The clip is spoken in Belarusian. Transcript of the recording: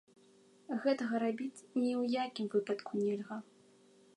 Гэтага рабіць ні ў якім выпадку нельга.